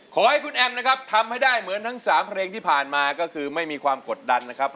ขอให้คุณแอมนะครับทำให้ได้เหมือนทั้ง๓เพลงที่ผ่านมาก็คือไม่มีความกดดันนะครับ